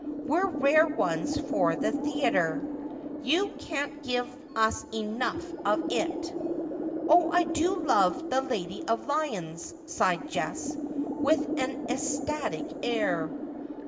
We're rare ones for the theayter. You can't give us enough of it.' 'Oh, I do love the "Lady of Lyons," sighed Jess, with an ecstatic air.